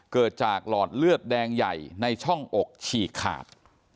เกิดจากหลอดเลือดแดงใหญ่ในช่องอกฉีกขาด